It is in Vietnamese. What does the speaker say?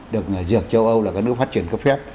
được dược châu âu là các nước phát triển cấp phép